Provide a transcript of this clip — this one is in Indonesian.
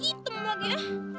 ini item lagi ya